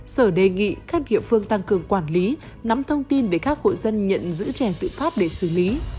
sở đề nghị các địa phương tăng cường quản lý nắm thông tin để các hộ dân nhận giữ trẻ tự phát để xử lý